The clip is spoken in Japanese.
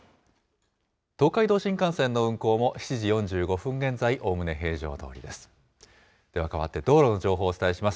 東海道新幹線の運行も、７時４５分現在、おおむね平常どおりです。